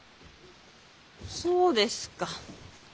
そうですか。